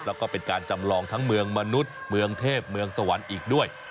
แล้วก็เป็นการจำลองทั้งเมืองมนุษย์เมืองเทพเมืองสวรรค์อีกด้วย